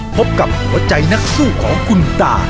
พบกับหัวใจนักสู้ของคุณตา